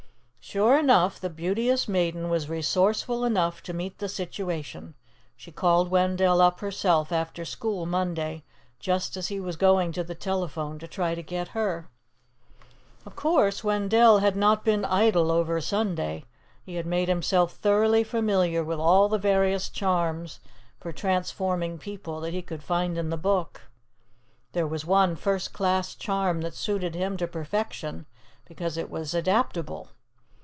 Sure enough, the Beauteous Maiden was resourceful enough to meet the situation. She called Wendell up herself, after school Monday, just as he was going to the telephone to try to get her. Of course, Wendell had not been idle over Sunday. He had made himself thoroughly familiar with all the various charms for transforming people that he could find in the Book. There was one first class charm that suited him to perfection, because it was adaptable.